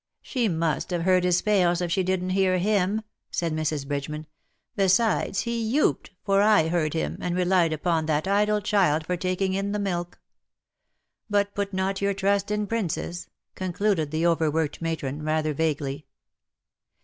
" She must have heard his pails if she didn't hear him/^ said Mrs. Bridgeman; ^Mjesides he 'yooped/ IN SOCIETY. 165 for I heard him^ and relied upon that idle child for taking in the milk. But put not your trust in princes/^ concluded the overworked matron, rather vaguely.